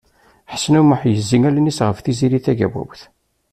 Ḥsen U Muḥ yezzi allen-is ɣef Tiziri Tagawawt.